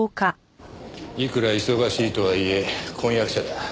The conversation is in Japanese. いくら忙しいとはいえ婚約者だ。